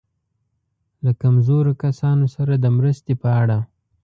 له کمزورو کسانو سره د مرستې په اړه.